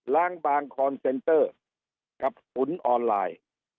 ล้างบางคอนเซนเตอร์กับขุนออนไลน์